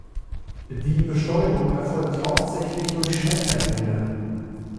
Die Bestäubung erfolgt hauptsächlich durch Schmetterlinge.